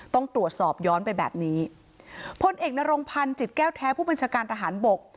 ต้องตรวจสอบย้อนไปแบบนี้พลเอกนรงพันธ์จิตแก้วแท้ผู้บัญชาการทหารบก